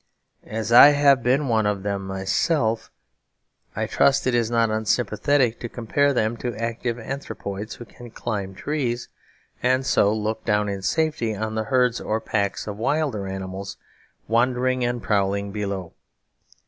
As I have been one of them myself, I trust it is not unsympathetic to compare them to active anthropoids who can climb trees, and so look down in safety on the herds or packs of wilder animals wandering and prowling below.